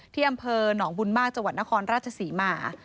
ที่อำเภอหนองบุญมากจังหวัดนครราชศรีมา